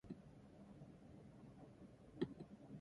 Townes, consists of brown brick and cut white stone.